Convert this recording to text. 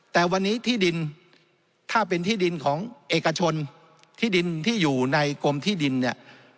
แต่วันนี้ที่ดินถ้าเป็นที่ดินของเอกชนที่ดินที่อยู่ในกรมที่ดินเนี่ย